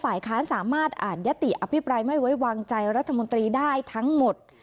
ฝ่ายค้านสามารถอ่านยติอภิปรายไม่ไว้วางใจรัฐมนตรีได้ทั้งหมด